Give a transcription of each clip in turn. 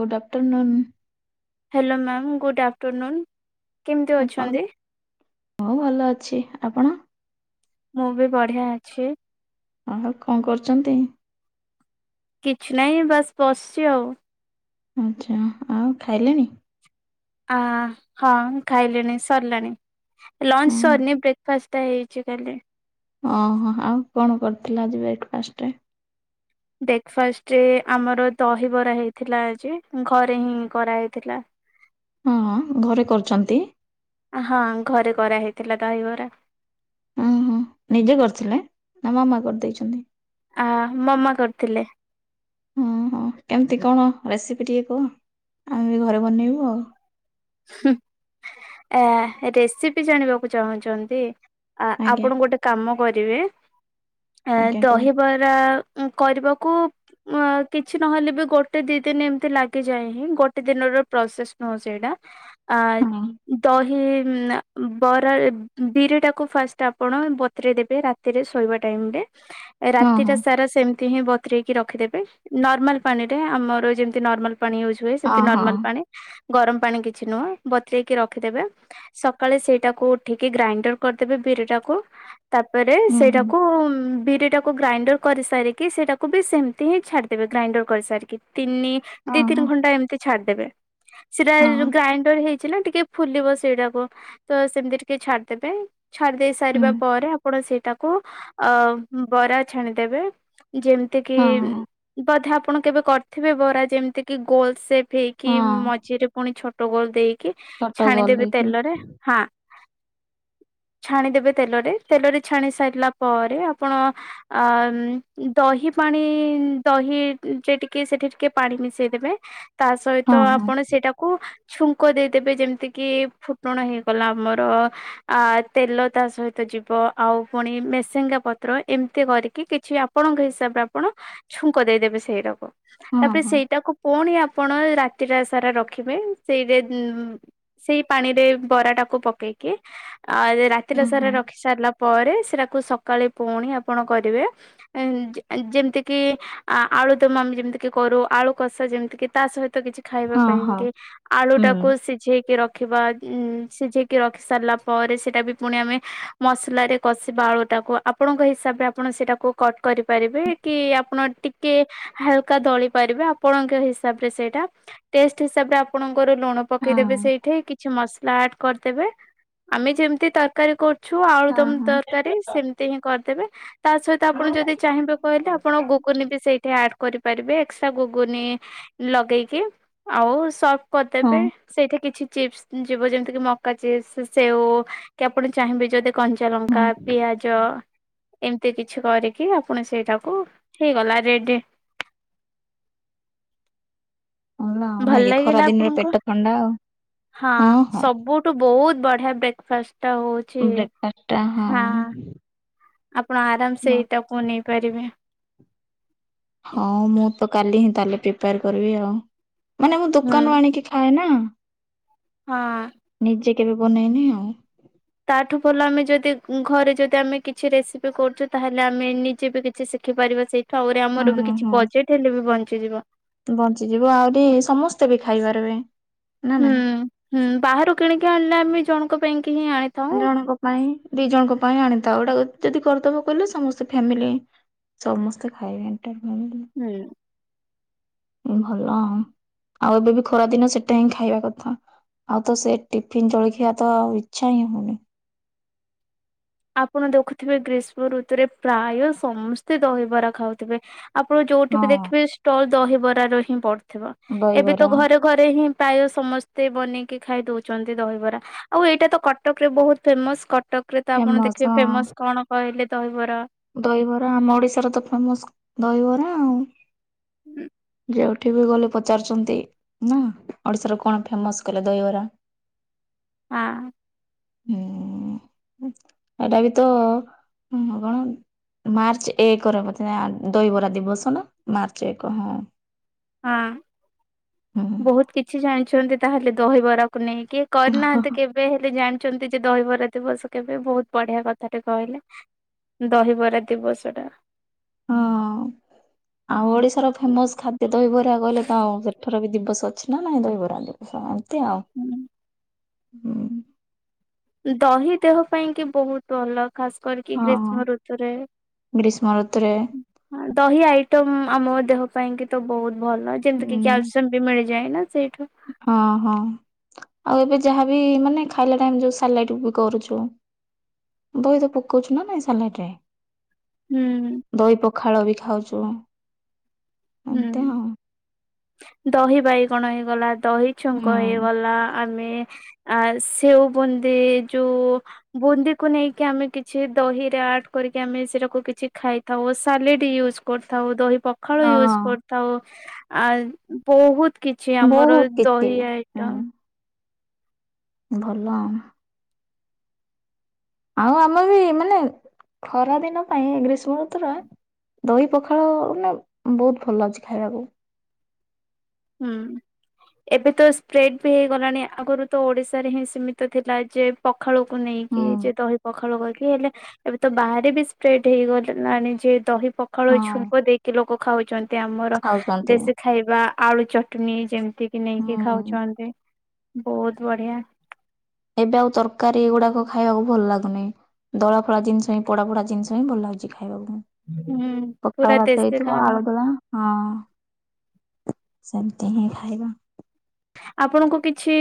Good afternoon. Hello ma'am good afternoon. କେମିତି ଆ ଅଛନ୍ତି? କଣ ମୁଁ ଭଲ ଅଛି ଆପଣ? ମୁଁ ବି ବଢିଆ ଅଛି। ଆଉ କଣ କରୁଛନ୍ତି? କିଛି ନାହିଁ ବାସ୍ ବସିଛି ଆଉ। ଆଚ୍ଛା ଆଉ ଖାଇଲେଣି? ଆ ହଁ ଖାଇଲେଣି ସରିଲାଣି। ଲଞ୍ଚ ହଁ ସରିନି ବ୍ରେକ୍ଫାଷ୍ଟ ଟା ହେଇଛି କାଲି। ହଁ ଓହୋ ଆଉ କଣ କରିଥିଲ ଆଜି ବ୍ରେକ୍ଫାଷ୍ଟରେ? ବ୍ରେକ୍ଫାଷ୍ଟରେ ଆମର ଦହିବରା ହେଇଥିଲା ଆଜି ଘରେ ହିଁ କରାହେଇଥିଲା। ହ ହଁ ହଁ ଘରେ କରୁଛନ୍ତି? ହଁ ଘରେ କରାହେଇଥିଲା ଦହିବରା। ଓହୋ ନିଜେ କରିଥିଲେ ନା ମାମା କରିଦେଇଛନ୍ତି? ଆ ମାମା କରିଥିଲେ। ହଁ ହଁ କେମିତି କଣ ରେସିପି ଟିକେ କୁହ ଆମେ ବି ଘରେ ବନେଇବୁ ଆଉ। ହୁଁ ଆ ରେସିପି ଜାଣିବାକୁ ଚାହୁଁଛନ୍ତି? ଆ ଆଜ୍ଞା ଆପଣ ଗୋଟେ କାମ କରିବେ ଆ ଆଜ୍ଞା ଦହିବ କୁହନ୍ତୁ ବରା କରିବାକୁ ଅ କିଛି ନହେଲେ ବି ଗୋଟେ ଦି ଦିନ ଏମିତି ଲାଗିଯାଏ ହିଁ। ଗୋଟେ ଦିନର ପ୍ରୋସେସ ନୁହଁ ସେଇଟା। ଆ ହଁ ଦହି ବରା ବିରିଟାକୁ ଫାଷ୍ଟ ଆପଣ ବତୁରେଇ ଦେବେ ରାତିରେ ଶୋଇବା ଟାଇମରେ। ହ [unintelligible] ହଁ ରାତିଟା ହଁ। ସାରା ସେମିତି ହିଁ ବତୁରେଇକି ରଖିଦେବେ ନର୍ମାଲ ପାଣି ରେ ଆମର ଯେମିତି ନର୍ମାଲ ପାଣି ୟୁଜ୍ ହୁଏ ହଁ ହଁ ନର୍ମାଲ ପାଣି। ଗରମ ପାଣି କିଛି ନୁହଁ ବତରେଇକି ରଖିଦବେ ସକାଳେ ସେଇଟାକୁ ଉଠିକି ଗ୍ରାଇଣ୍ଡର କରିଦେବେ ବିରିଟାକୁ। ତାପରେ ହୁଁ ହୁଁ ସେଇଟାକୁ ବିରିଟାକୁ କୁ ଗ୍ରାଇଣ୍ଡର କରିସାରିକି ସେଇଟାକୁ ବି ସେମିତି ହିଁ ଛାଡିଦେବେ ଗ୍ରାଇଣ୍ଡର କରିସାରିକି। ତିନି ଦି ହଁ ହଁ ତିନି ଘଣ୍ଟା ଏମିତି ଛାଡିଦବେ। ସେଟା ହଁ ଗ୍ରାଇଣ୍ଡର ହେଇଛି ନା ଟିକେ ଫୁଲିବ ସେଇଟାକୁ ତ ସେମିତି ଟିକେ ଛାଡିଦେବେ। ଛାଡି ଦେଇେ ହୁଁ ସାରିବା ପରେ ଆପଣ ସେଇଟାକୁ ଅ ବରା ଛାଣିଦେବେ। ଯେମିତି କି ହଁ ହଁ। ବୋଧେ ଆପଣ କେବେ କରିଥିବେ ବରା ଯେମିତି କି ଗୋଲ ସେଫ୍ ହେଇକି କି ହଁ ମଝିରେ ପୁଣି ଛୋଟ ଗୋଲ ଦେଇକି ଛୋଟ ଗୋଲ ଛାଣିଦେବେ ହେଇକି ତେଲରେ ହଁ। ଛାଣିଦେବେ ତେଲରେ ତେଲରେ ଛାଣି ସାରିଲା ପରେ ଆପଣ ଅ ଦହି ପାଣି ଦହିରେ ଟିକେ ସେଠି ଟିକେ ପାଣି ମିଶେଇଦବେ। - ତା ହଁ ସହିତ ହଁ ଆପଣ ସେଇଟାକୁ ଛୁଙ୍କ ଦେଇଦେବେ ଯେମିତି କିି ଫୁଟଣ ହେଇଗଲା ଆମର ଆ ତେଲ ତା ସହିତ ଯିବ ଆଉ ପୁଣି ମେସିଙ୍ଗା ପତ୍ର ଏମିତି କରିକି କିଛି ଆପଣଙ୍କ ହିସାବରେ ଆପଣ ଛୁଙ୍କ ଦେଇଦେବେ ସେଇଟାକୁ। ହଁ ତାପରେ ହଁ। ସେଇଟାକୁ ପୁଣି ଆପଣ ରାତି ଟା ସାରା ରଖିବେ। ସେଇ ଯେ ସେଇ ପାଣିରେ ବରା ଟାକୁ ପକେଇକି ଆଜ ରା ରାତିଟା ହୁଁ ସାରା ହୁଁ ରଖି ସାରିଲା ପରେ ସେଟାକୁ ସକାଳେ ପୁଣି ଆପଣ କରିବେ ଯେମିତି କିି ଆ ଆଳୁ ଦମ ଆମେ ଯେମିତି କି କରୁ ଆଳୁ କଷା ଯେମିତି କିି ତା ସହିତ କିଛି ଖାଇବା ହଁ ପାଇଁ ହଁ। କି ଆଳୁ ହୁଁ। ଟାକୁ ସିଝେଇକି ରଖିବା। ଉ ସିଝେଇକି ରଖି ସାରିଲା ପରେ ସେଟା ବି ପୁଣି ଆମେ ମସଲାରେ କଷିବା ଆଳୁଟାକୁ ଆପଣଙ୍କ ହିସାବରେ ଆପଣ ସେଇଟାକୁ କଟ୍ କରିପାରିବେ। କି ଆପଣ ଟିକେ ହାଲକା ଦଳି ପାରିବେ ଆପଣଙ୍କ ହିସାବ ରେ ସେଇଟା। ଟେଷ୍ଟ ହିସାବରେ ଆ ତାପରେ ଲୁଣ ହଁ ପକେଇଦେବେ ସେଇଠି କିଛି ମସଲା ଆଡ କରିଦେବେ। ଆମେ ଯେମତି ତା ତରକାରୀ କରୁଛୁ ହଁ ଆଳୁଦମ ହଁ ତରକାରୀ ସେମିତି ହିଁ କରିଦେବେ। ତା ସହିତ ଆପଣ ଯଦି ଚାହିଁବେ କହିଲେ ଆପଣ ଗୁଗୁନି ବି ସେଇଠି ଆଡ କରିପାରିବେ ଏକ୍ସଟ୍ରା ଗୁଗୁନି ଲଗେଇକି ଆଉ ସର୍ଭ ହଁ କରିଦେବେ। ସେଇଠି କିଛି ଚିପ୍ସ ଯିବ ଯେମିତି କି ମକା ଚିପ୍ସ, ସେଓ କି ଆପଣ ଚାହିଁବେ ଯଦି କଞ୍ଚା ହଁ ଲଙ୍କା ପିଆଜ ଏମିତି କିଛି କରିକି ଆପଣ ସେଇଟାକୁ ହେଇଗଲା ରେଡି ଆଉ ନାଇଁ ଭଲ କି ଖରା ଲାଗିଲା ଦିନରେ ଆପଣଙ୍କୁ? ପେଟ ଥଣ୍ଡା ଆଉ ହଁ ସବୁ ଠୁ ବହୁତ ବଢିଆ ବ୍ରେକଫାଷ୍ଟ ଟା ହଉଛି ବ୍ରେକଫାଷ୍ଟ ଟା ହଁ। ଆପଣ ଆରାମ ସେ ଭଲ। ଏଇଟାକୁ ନେଇପାରିବେ। ହଁ ମୁଁ ତ କାଲି ହିଁ ତାହେଲେ ପ୍ରିପେୟାର କରିବି ଆଉ। ମାନେ ମୁଁ ହୁଁ ଦୋକାନରୁ ଆଣିକି ଖାଏ ନା। ହଁ। ନିଜେ କେବେ ବନେଇନି ଆଉ। ତାଠୁ ଭଲ ଆମେ ଯଦି ଘରେ ଯଦି ଆମେ କିଛି ରେସିପି କରୁଚୁ ତାହେଲେ ଆମେ ନିଜେ ବି କିଛି ଶିଖିପାରିବା ସେଇ ତାପରେ ଆମର ବି ହୁଁ କିଛି ହୁଁ ବଜେଟ ହେଲେ ବି ବଞ୍ଚିଯିବ। ବଞ୍ଚିଯିବ ଆହୁରି ସମସ୍ତେ ବି ଖାଇପାରିବେ। ନା ହୁଁ, ନାଇଁ। ହୁଁ ବାହାରୁ କିଣିକି ଆଣିଲେ ଆମ ଜଣଙ୍କ ପାଇଁ କିି ହିଁ ଆଣି ଜଣଙ୍କ ପାଇଁ ଦି ଜଣଙ୍କ ପାଇଁ ଆଣିଥାଉ ଏଟାକୁ ଯଦି କରିଦେବ କଲେ ସମସ୍ତେ ଫ୍ୟାମିଲି ସମସ୍ତେ ଖାଇ ବାଣ୍ଟ ଫ୍ୟାମିଲି [unintelligible] ଭଲ ଆଁ ଆଉ ଏବେ ବି ଖରା ଦିନ ସେଟା ହିଁ ଖାଇବା କଥା ଆଉ ତ ସେ ଟିଫିନ ଜଳଖଆ ତ ଆଉ ଇଛା ହିଁ ହଉନି। ଆପଣ ଦେଖୁଥିବେ ଗ୍ରୀଷ୍ମ ଋତୁରେ ପ୍ରାୟ ସମସ୍ତେ ଦହିବରା ଖାଉଥିବେ ଆପଣ ଯୋଉଠି ବି ହଁ। ଦେଖିବେ ଷ୍ଟଲ ଦହିବରର ହିଁ ପଡିଥିବ ଏବେ ତ ଦହିବରା ଘରେ ଘରେ ହିଁ ପ୍ରାୟ ସମସ୍ତେ ବନେଇକି ଖାଇ ଦଉଚନ୍ତି ଦହିବରା। ଆଉ ଏଇଟା ତ କଟକ ରେ ବହୁତ ଫେମସ କଟକରେ ତ ଆପଣ ଫେମସ ଦେଖିବେ ହଁ ଫେମସ କଣ କହିଲେ ଦହିବରା ଦହିବରା ଆମ ଓଡିଶାର ତ ଫେମସ ଦହିବରା ଆଉ ଯେଉ ଭି ଗଲେ ପଚାରୁଚନ୍ତି ନା ଓଡିଶାର କଣ ଫେମସ କଲେ ଦହିବରା ଆଁ? ହୁଁ ଏଟା ବି ତ କଣ ମାର୍ଚ୍ଚ ଏକ ର ବୋଧେ ଦହିବରା ଦିବସ ନା ମାର୍ଚ୍ଚ ଏକ ହଁ। ହଁ ହଁ। ବହୁତ କିଛି ଜାଣିଛନ୍ତି ତାହେଲେ ଦହିବରାକୁ ନେଇକି କରିନାହାନ୍ତି କେବେ ହେଲେ ଜାଣିଛନ୍ତି ଯେ ଦହିବରା ଦିବସ କେବେ ବହୁତ ବଢିଆ କଥାଟେ କହିଲେ ଦହିବରା ଦିବସଟା ହଁ ଆଉ ଓଡିଶାର ଫେମସ ଖାଦ୍ୟ ଦହିବରା କହିଲେ ତ ସେଠି ର ବି ଦିବସ ଅଛି ନା ନାଇଁ ରହିବରା ଦିବସ ଏମତି ଆଉ। ହୁଁ। ଦହି ଦେହ ପାଇଁ କି ବହୁତ ଅଲଗ ଖାସ କରିକି ହଁ। ଗ୍ରୀଷ୍ମ ଋତୁରେ ଗ୍ରୀଷ୍ମ ଋତୁରେ ହଁ ଦହି ଆଇଟମ ଆମ ଦେହ ପାଇଁ କି ତ ବହୁତ ଭଲ। ଯେମିତି କି ହୁଁ। କ୍ୟାଲସିୟମ ବି ମିଳି ଯାଏନା ସେଇଠୁ ହଁ ହଁ। ଆଉ ଏବେ ଯାହାବି ମାନେ ଖାଇଲା ଟାଇମ୍ ରେ ସାଲାଟ ବି କରୁଚୁ ଦହି ତ ପକଉଚୁ ନା ନାଇଁ ସାଲଟ୍ ରେ ହୁଁ ଦଇ ପଖାଳ ବି ଖାଉଛୁ। ଏମିତି ହୁଁ ଆଉ। ଦହି ବାଇଗଣ ହେଇଗଲା ଦହି ଛୁଙ୍କ ହୁଁ। ହେଇଗଲା ଆମେ ଆ ସେଓ ବୁନ୍ଦି ଯୋଉ ବୁନ୍ଦିକୁ ନେଇକି ଆମେ କିଛି ଦହିରେ ଆଡ କରିକି ଆମେ ସେଟାକୁ କିଛି ଖାଇ ଥାଉ ସାଲେଟ୍ ୟୁଜ୍ କରିଥାଉ ଦହି ପ ପଖାଳ ୟୁଜ୍ ହଁ। କରିଥାଉ ଆ ବହୁତ କି ଛି ଆମର ବହୁତ କିଛି ଦହି ଆଇଟମ୍ ଭଲ ଆଁ ଆଉ ଆମେ ବି ମାନେ ଖରା ଦିନ ପାଇଁ ଗ୍ରୀଷ୍ମ ଋତୁର ଦହି ପଖାଳ ମାନେ ବହୁତ ଭଲ ଅଛି ଖାଇବାକୁ। ହୁଁ। ଏବେ ତ ସ୍ପ୍ରେଡ଼୍ ବି ହେଇଗଲାଣି ଆଗରୁ ତ ଓଡ଼ିଶାରେ ହିଁ ସୀମିତ ଥିଲା ଯେ ପଖାଳକୁ ନେଇକି ହୁଁ। ଯେ ଦହି ପଖାଳୁ କରିକି ହେଲେ ଏବେ ତ ବାହାରେ ବି ସ୍ପ୍ରେଡ ହେଇଗଲେ ଆଣି ଯେ ଦହି ପ ପଖାଳ ହଁ ଛୁଙ୍କ ଦେଇକି ଲୋକ ଖାଉଚନ୍ତି ଆମର ଖାଉଛନ୍ତି। ଦେଶୀ ଖାଇବା ଆଳୁ ଚଟଣି ଯେମିତି କିି ନେଇକି ହୁଁ ଖାଉଚନ୍ତି ବୋହୁତ୍ ବଢିଆ। ଏବେ ଆଉ ତରକାରି ଏଗୁଡାକ ଖାଇବାକୁ ଭଲ ଲାଗୁନି। ଦଳା ଫଳା ଜିନିଷ ହିଁ ପଡା ପଡା ଜିନିଷ ହିଁ ଭଲ ଲାଗଚି ଖାଇବାକୁ। ହୁଁ ପକାଳ ପୁରା ଭାତ ଦେଶୀ ହେଇଥିବ ଖାନା ଆଳୁ ଦଳା। ହଁ ସେମତି ହିଁ ଖାଇବା। ଆପଣଙ୍କୁ କିଛି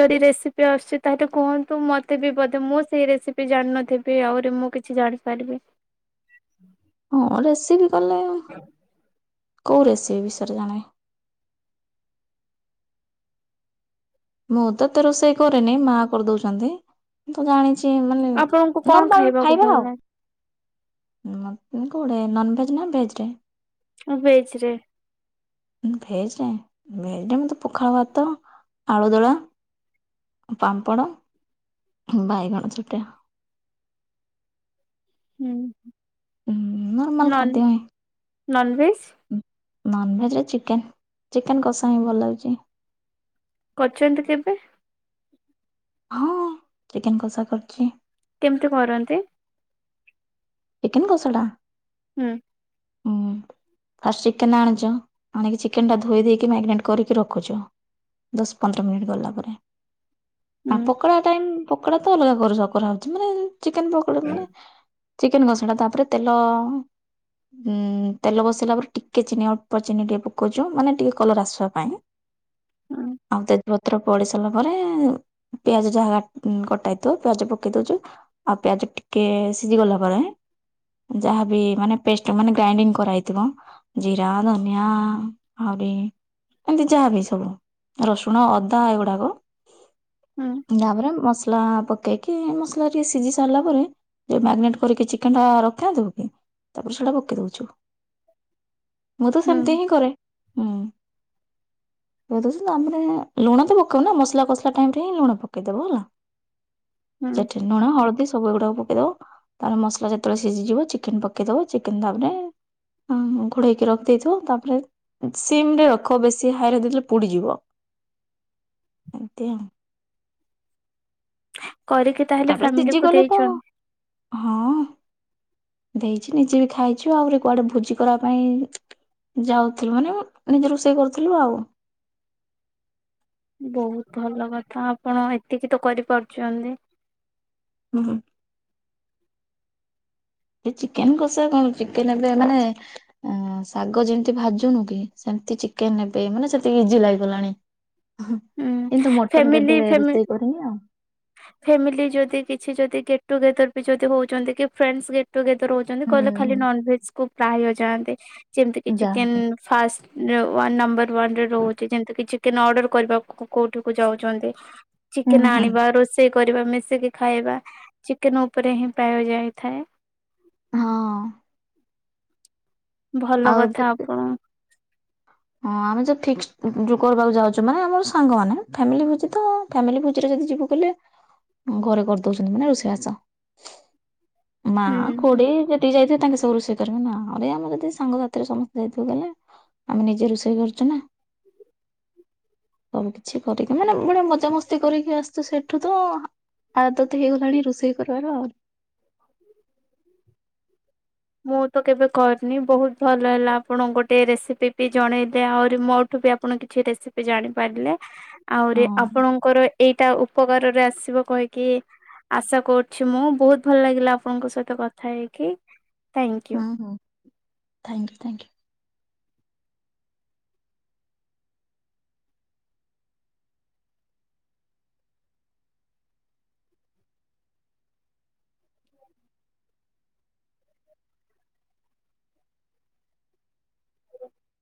ଯଦି ରେସିପି ଆସୁଛି ତାହେଲେ କୁହନ୍ତୁ ମତେ ବି ବୋଧେ ମୁଁ ସେଇ ରେସିପି ବି ଜାଣିନଥିବି ଆହୁରି ମୁଁ କିଛି ଜାଣିପାରିବି। ହଁ ରେସିପି କଲେ ଆ କୋଉ ରେସିପି ବିଷୟରେ ଜାଣିବି? ମୁଁ ତ ଏତେ ରୋଷେଇ କରେନି ମା କରିଦଉଛନ୍ତି। ମୁଁ ତ ଜାଣିଛି ମାନେ ଆପଣଙ୍କୁ କଣ ନର୍ମାଲ ଖାଇବାକୁ ଖାଇବା ଭଲ ଆଉ। ଲାଗେ ମାନେ କୋଉଟେ ନନଭେଜ ନା ଭେଜ୍ ରେ? ହ ଭେଜ୍ ରେ। ଭେଜ୍ ରେ, ଭେଜ୍ ରେ ଏମିତି ପଖାଳ ଭାତ ଆଳୁଦୋଳା, ପାମ୍ପଡ଼, ବାଇଗଣ ଚକଟା। ହୁଁ। ଉଁ ନର୍ମଲ୍ ନନ୍ ଖାଦ୍ୟ ନନଭେଜ ହିଁ। ନନ୍ଭେଜ୍ ରେ ଚିକେନ୍, ଚିକେନ୍ କଷା ହିଁ ଭଲ ଲାଗୁଛି। କରୁଛନ୍ତି କେବେ? ହଁ ଚିକେନ୍ କଷା କରିଛି। କେମିତି କରନ୍ତି? ଚିକେନ୍ କସାଟା। ହୁଁ। [inaudible] ଫାଷ୍ଟ ଚିକେନ୍ ଆଣୁଛ, ଆଣିକି ଚିକେନ୍ ଟା ଧୋଇ ଦେଇେକି ମ୍ୟାଗେନେଟ୍ କରିକି ରଖୁଛ। ଦଶ ପନ୍ଦର ମିନିଟ୍ ଗଲା ପରେ। ଆ ହୁଁ ପକୋଡା ଟାଇମ୍ ପକୋଡା ତ ଅଲଗା କରୁଛ କରାହେଉଛି, ମାନେ ଚିକେନ୍ ପକୋଡା ମାନେ ଚିକେନ୍ ଘସଣା ତାପରେ ତେଲ ଉଁ ତେଲ ବସେଇଲା ପରେ ଟିକେ ଚିନି ଅଳ୍ପ ଚିନି ଟିକେ ପକଉଛୁ ମାନେ ଟିକେ କଲର ଆସିବା ପାଇଁ। ହୁଁ ଆଉ ତ ପତ୍ର ପଡି ସାରିଲା ପରେ ପିଆଜ ଯାହା କଟାଇଥିବ ପିଆଜ ପକେଇ ଦଉଛୁ। ଆଉ ପିଆଜ ଟିକେ ସିଝି ଗଲା ପରେ ଯାହାବି ମାନେ ପେ ମାନେ ଗ୍ରାଇଣ୍ଡିଙ୍ଗ କରାହେଇଥିବ। ଜିରା ଧନିଆ ଆହୁରି ଏମିତି ଯାହାବି ସବୁ ରସୁଣ ଅଦା ଏଗୁଡାକ ହୁଁ ତାପରେ ମସଲା ପକେଇ କି ମସଲା ଟିକେ ସିଝି ସାରିଲା ପରେ, ଯେଉଁ ମ୍ୟାରିନେଟ୍ କରିକି ଚିକେନ୍ ଟା ରଖି ଥାନ୍ତୁ କି ସେଟା ପକେଇ ଦଉଛୁ। ମୁଁ ତ ହୁଁ ସେମିତି ହିଁ କରେ। ହୁଁ। ପକେଇ ଦେଉଛୁ, ତା ପରେ ଲୁଣ ତ ପକେଇବ ନା ମସଲା କସିଲା ଟାଇମ୍ ରେ ହିଁ ଲୁଣ ପକେଇଦେବୁ ହେଲା। [inaudible] ହୁଁ ସେଠି ଲୁଣ ହଳଦୀ ସବୁ ଏଗୁଡାକୁ ପକେଇଦବ, ତା ପରେ ମସଲା ଯେତେବେଳେ ସିଝିଯିବ ଚିକେନ୍ ପକେଇଦବ। ଚିକେନ୍ ତାପରେ ଘୋଡେଇକି ରଖି ଦେଇେଇଥିବ ତାପରେ ସିମ୍ ରେ ରଖ ବେଶ ସେ ହାଇରା ଦେଲେ ପୁଡିଯିବ ଏମତି ଆଉ କରିକି ତାହେଲେ ତାପରେ ଫ୍ୟାମିଲି ସିଝି କୁ ଗଲେ ତ ଦେଇଚ ନ ହଁ ଦେଇଛି ନିଜେ ବି ଖାଇଛୁ ଆହୁରି କୁଆଡେ ଭୋଜି କରିବା ପାଇଁ ଯାଉଥିଲୁ ମାନେ ନିଜ ରୋଷେଇ କରୁଥିଲୁ ଆଉ ବହୁତ ଭଲ କଥା ଆପଣ ଏତିକି ତ କରିପାରୁଛନ୍ତି ହୁଁ ହୁଁ ଏ ଚିକେନ କସା କଣ ଚିକେନ ଏବେ ମାନେ ଆ ଶାଗ ଯେମତି ଭାଜୁନୁ କି ସେମିତି ଚିକେନ ନେବେ ମାନେ ସେତିକି ଇଜି ଲାଗିଗଲାଣି ହିଁ ହୁଁ କିନ୍ତୁ ମଟନ ଫ୍ୟାମିଲି କେବେ ଫ୍ୟାମି ରୋଷେଇ କରିନି ଆଉ ଫ୍ୟାମିଲି ଯଦି କିଛି ଯଦି ଗେଟ୍ ଟୁଗେଦର ବି ଯଦି ହଉଛନ୍ତି କି ଫ୍ରେଣ୍ଡସ ଟୁଗେଦର ହଉଛନ୍ତି ହୁଁ କହିଲେ ଖାଲି ହୁଁ। ନନ୍ଭେଜ୍ କୁ ପ୍ରାୟ ହେଇଯାଆନ୍ତି ଯେମିତିକି ଚିକେନ୍ ଯାଆନ୍ତି। ଫାଷ୍ଟ ଯୋଉ ୱାନ ନମ୍ବର ୱ ରହୁଛି ଯେମିତି କି ଚିକେନ ଅର୍ଡର କରିବାକୁ କୋ କୋଉଠିକୁ ଯାଉଛନ୍ତି ହୁଁ ଚିକେନ ହୁଁ ଆଣିବା ରୋଷେଇ ରୋଷେଇ କରିବା ମିଶିକି ଖାଇବା ଚିକେନ ଉପରେ ହିଁ ପ୍ରାୟ ଯାଇଥାଏ। ହଁ ଭଲ ଆଉ ଏବେ କଥା ତ- ଆପଣ ହଁ ଆମେ ଯୋଉ ଫିକ୍ସ ଯୋଉ କରିବାକୁ ଯାଉଛୁ ମାନେ ଆମର ସାଙ୍ଗମାନେ ଫ୍ୟାମିଲି ଭୋଜି ତ ଫାମିଲି ଭୋଜିରେ ଯଦି ଯିବୁ କହିଲେ ଘରେ କରିଦଉଛନ୍ତି ମାନେ ରୋଷେଇବାସ। ମା, ହୁଁ ହୁଁ। ଖୁଡି ଯେ ତିକି ଯାଇଥିବେ ତାଙ୍କେ ସବୁ ରୁଷେଇ କରିବେ ନା ଆରେ ଆମର ଯଦି ସାଙ୍ଗସାଥିରେ ସମସ୍ତେ ଯାଇଥିବୁ କହିଲେ ଆମେ ନିଜେ ରୋଷେଇ କରୁଛୁ ନା। [inaudible] ସବୁ କିଛି କରିକି ମାନେ ଗୋଟେ ମଜାମସ୍ତି କରିକି ଆସଛୁ ସେଇଠୁ ତ ଆଦତ ହେଇଗଲାଣି ରୋଷେଇ କରିବାର ଆଉ। [inaudible] [inaudible] ମୁଁ ତ କେବେ କରିନି ବହୁତ ଭଲ ହେଲା ଆପଣ ଗୋଟେ ରେସିପି ବି ଜଣେଇବେ ଆହୁରି ମୋଠୁ ବି ଆ ପଣ କିଛି ରେସିପି ଜାଣିପାରିଲେ ଆହୁରି ହଁ ଆପଣଙ୍କର ଏଇଟା ଉପକାରରେ ଆସିବ କହିକି ଆଶା କରୁଛି ମୁଁ ବହୁତ ଭଲ ଲାଗିଲା ଆପଣଙ୍କ ସହିତ କଥା ହେଇକି। ଥ୍ୟାଙ୍କୟୁ। ହଁ ହଁ ଥ୍ୟାଙ୍କ ୟୁ ଥ୍ୟାଙ୍କ ୟୁ।